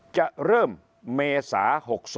จะเริ่มเมษา๖๒